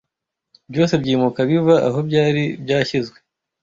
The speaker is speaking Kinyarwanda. byose byimuka biva aho byari byashyizwe